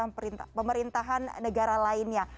dengan pemerintahan negara lainnya